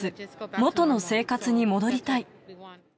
元の生活に戻りたい。